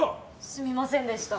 すみませんでした。